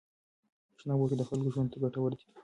شنه بوټي د خلکو ژوند ته ګټور دي.